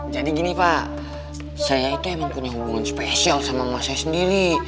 jadi gini pak saya itu emang punya hubungan spesial sama emak saya sendiri